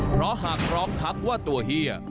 เพราะหากร้องทักว่าตัวเฮีย